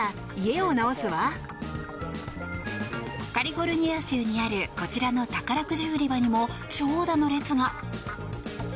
カリフォルニア州にあるこちらの宝くじ売り場にも長蛇の列が。